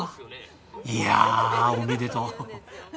いやあおめでとう。